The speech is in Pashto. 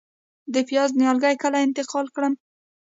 د پیاز نیالګي کله انتقال کړم؟